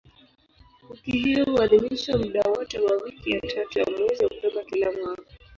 Wiki hiyo huadhimishwa muda wote wa wiki ya tatu ya mwezi Oktoba kila mwaka.